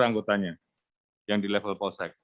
anggotanya yang di level polsek